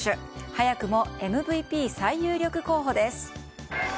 早くもＭＶＰ最有力候補です。